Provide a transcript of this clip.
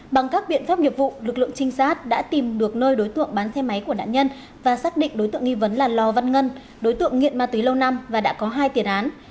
bằng các biện pháp nghiệp vụ lực lượng trinh sát đã tìm được nơi đối tượng bán xe máy của nạn nhân và xác định đối tượng nghi vấn là lò văn ngân đối tượng nghiện ma túy lâu năm và đã có hai tiền án